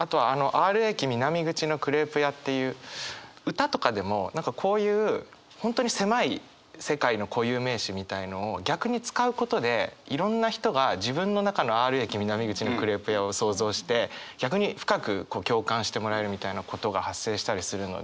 歌とかでもこういう本当に狭い世界の固有名詞みたいのを逆に使うことでいろんな人が自分の中の「Ｒ駅南口のクレープ屋」を想像して逆に深く共感してもらえるみたいなことが発生したりするので。